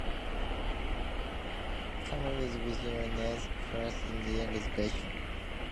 Kamiah is within the Nez Perce Indian Reservation.